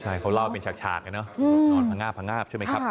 ใช่เขาเล่าเป็นฉากเนี่ยเนอะนอนผงาบใช่ไหมครับ